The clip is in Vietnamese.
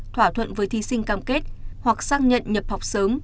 thỏa thuận với thí sinh cam kết hoặc xác nhận nhập học sớm